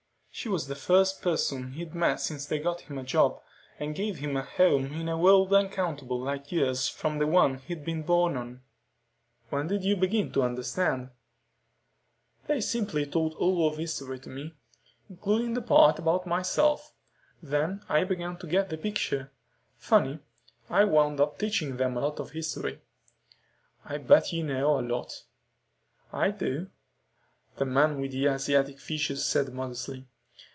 She was the first person he'd met since they got him a job and gave him a home in a world uncountable light years from the one he'd been born on. "When did you begin to understand?" "They simply taught all of history to me. Including the part about myself. Then I began to get the picture. Funny. I wound up teaching them a lot of history." "I bet you know a lot." "I do," the man with the Asiatic features said modestly.